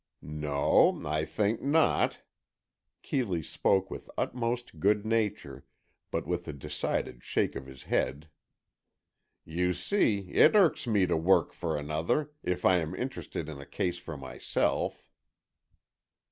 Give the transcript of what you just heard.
"No, I think not." Keeley spoke with utmost good nature, but with a decided shake of his head. "You see, it irks me to work for another, if I am interested in a case for myself."